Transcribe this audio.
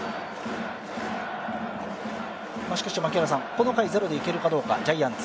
この回ゼロでいけるかどうか、ジャイアンツ。